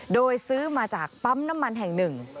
โดยซื้อมาจากปั๊มน้ำมันแห่งหนึ่ง